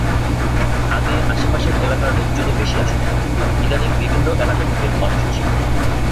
আগে আশপাশের এলাকার লোকজনই বেশি আসত, ইদানীং বিভিন্ন এলাকা থেকে মানুষ আসে।